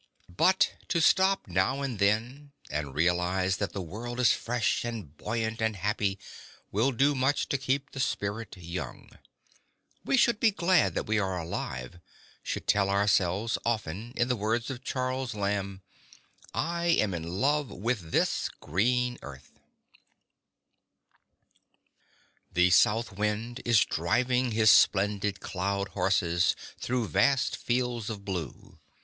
But to stop now and then and realize that the world is fresh and buoyant and happy, will do much to keep the spirit young. We should be glad that we are alive, should tell ourselves often in the words of Charles Lamb: "I am in love with this green earth." The south wind is driving His splendid cloud horses Through vast fields of blue.